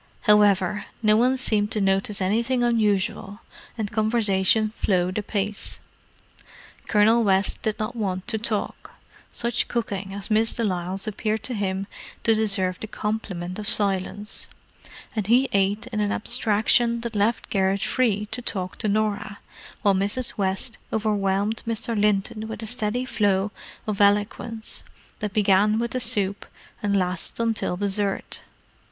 However, no one seemed to notice anything unusual, and conversation flowed apace. Colonel West did not want to talk: such cooking as Miss de Lisle's appeared to him to deserve the compliment of silence, and he ate in an abstraction that left Garrett free to talk to Norah; while Mrs. West overwhelmed Mr. Linton with a steady flow of eloquence that began with the soup and lasted until dessert.